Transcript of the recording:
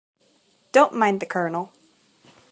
Don't mind the Colonel.